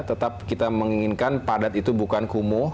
tetap kita menginginkan padat itu bukan kumuh